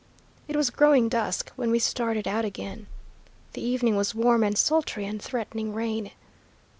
It was growing dusk when we started out again. The evening was warm and sultry and threatening rain.